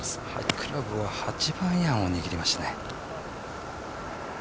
クラブは８番アイアンを握りました。